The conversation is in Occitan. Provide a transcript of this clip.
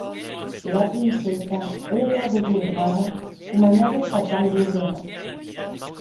Era princessa ère tan desordenada, coma n’ère sa pair d’ordenat.